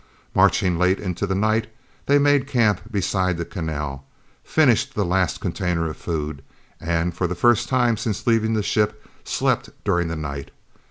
Marching late into the night, they made camp beside the canal, finished the last container of food, and, for the first time since leaving the ship, slept during the night.